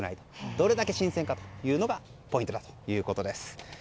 どれだけ新鮮かというのがポイントだそうです。